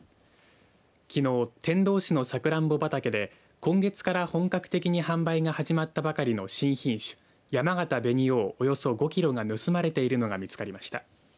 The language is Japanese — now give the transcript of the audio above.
きのう、天童市のサクランボ畑で今月から本格的に販売が始まったばかりの新品種やまがた紅王およそ５キロが盗まれているのが見つかりました。